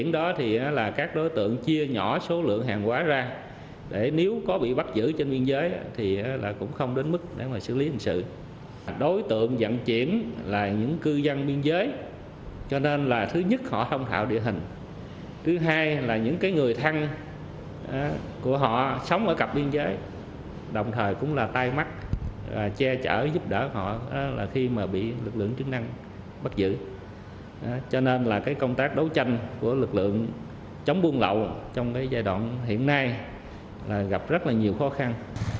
khi mà bị lực lượng chức năng bắt giữ cho nên là công tác đấu tranh của lực lượng chống buôn lậu trong giai đoạn hiện nay gặp rất nhiều khó khăn